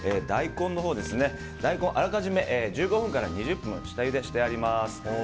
大根はあらかじめ１５分から２０分下ゆでしてあります。